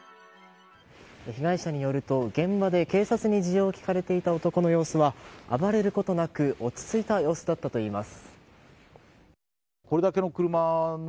被害者によると現場で警察に事情を聴かれていた男の様子は、暴れることなく落ち着いた様子だったといいます。